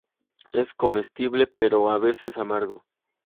Es comestible, pero a veces amargo.